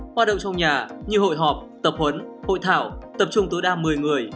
hoạt động trong nhà như hội họp tập huấn hội thảo tập trung tối đa một mươi người